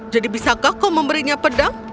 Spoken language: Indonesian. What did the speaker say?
jadi bisakah kau memberinya pedang